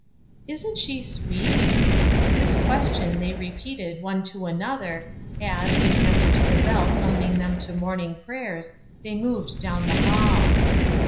" Isn't she sweet ?" This question they repeated one to another, as, in answer to the bell summoning them to morning prayers, they moved down the hall.